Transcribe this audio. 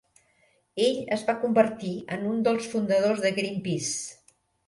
Ell es va convertir en un dels fundadors de Greenpeace.